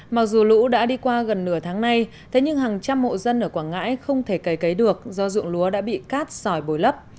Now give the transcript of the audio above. mặc dù lũ đã đi qua gần nửa tháng nay thế nhưng hàng trăm hộ dân ở quảng ngãi không thể cầy cấy được do dụng lúa đã bị cát sỏi bồi lấp